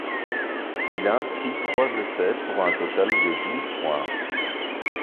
Il inscrit trois essais pour un total de douze points.